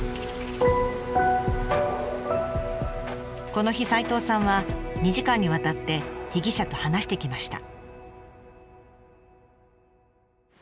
この日齋藤さんは２時間にわたって被疑者と話してきました。